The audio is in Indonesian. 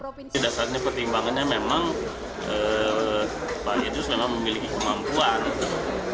di dasarnya pertimbangannya memang